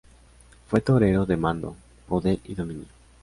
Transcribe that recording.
Fue torero de mando, poder y dominio.